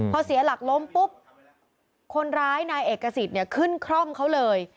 พอเสียหลักล้มปุ๊บคนร้ายนายเอกสิทธิ์เนี่ยขึ้นคร่อมเขาเลย